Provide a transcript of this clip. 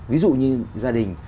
ví dụ như gia đình